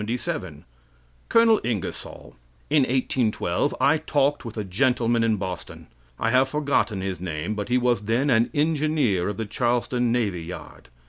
Col. Ingersoll: In 1812 I talked with a gentleman in Boston. I have forgotten his name; but he was then an engineer of the Charleston navy yard.